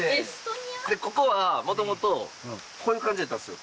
でここはもともとこういう感じやったんですよ。